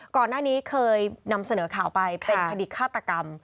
ก่อนหน้านี้เคยนำเสนอข่าวไปเป็นคดีฆาตกรรม